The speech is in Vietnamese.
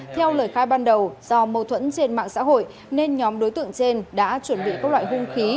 theo lời khai ban đầu do mâu thuẫn trên mạng xã hội nên nhóm đối tượng trên đã chuẩn bị các loại hung khí